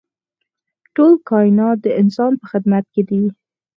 ټول کاینات د انسان په خدمت کې دي.